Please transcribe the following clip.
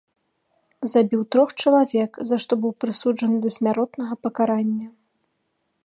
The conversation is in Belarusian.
Забіў трох чалавек, за што быў прысуджаны да смяротнага пакарання.